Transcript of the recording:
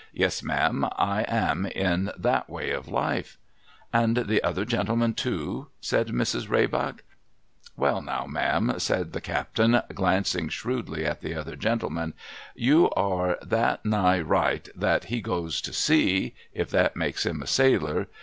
Yes, ma'am, I am in that way of life,' ' .\nd the other gentleman, too,' said Mrs. Raybrock. ' Well now, ma'am,' said the captain, glancing shrewdly at the other gentleman, * you are that nigh right, that he goes to sea,— if that makes him a sailor.